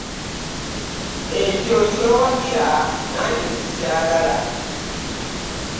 Ekyo ky'oyowagira nange ssikyagala.